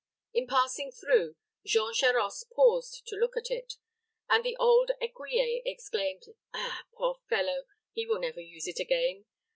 In passing through, Jean Charost paused to look at it, and the old écuyer exclaimed, "Ah, poor fellow! he will never use it again.